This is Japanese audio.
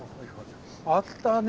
あったね